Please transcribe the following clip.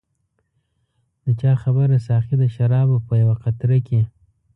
د چا خبره ساقي د شرابو په یوه قطره کې.